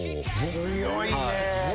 強いね。